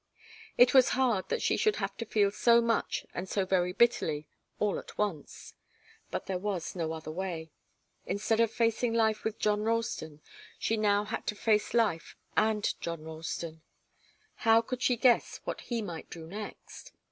It was hard that she should have to feel so much and so very bitterly, and all at once. But there was no other way. Instead of facing life with John Ralston, she had now to face life and John Ralston. How could she guess what he might do next?